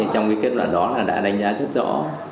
trong kết luận đó đã đánh giá rất rõ